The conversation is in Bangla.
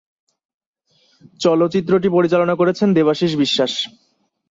চলচ্চিত্রটি পরিচালনা করেছেন দেবাশীষ বিশ্বাস।